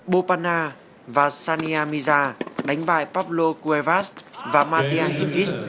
bopana và sania miza đánh bại pablo cuevas và matia himis